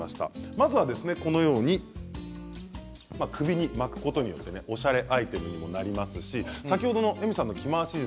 まずは首に巻くことによっておしゃれアイテムにもなりますし先ほどのＥｍｉさんの着回し術。